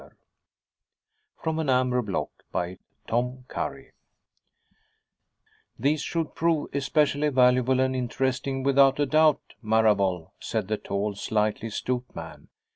] From An Amber Block By Tom Curry "These should prove especially valuable and interesting without a doubt, Marable," said the tall, slightly stooped man.